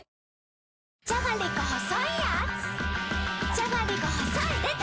じゃがりこ細いやーつ